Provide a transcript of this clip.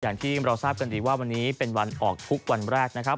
อย่างที่เราทราบกันดีว่าวันนี้เป็นวันออกทุกวันแรกนะครับ